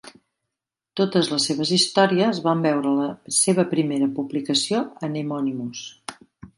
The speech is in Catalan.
Totes les seves històries van veure la seva primera publicació a Nemonymous.